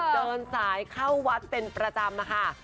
เดินสายเข้าวัดเป็นประจำนะคะ